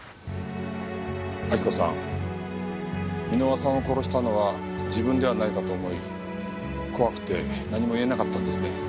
亜希子さん箕輪さんを殺したのは自分ではないかと思い怖くて何も言えなかったんですね。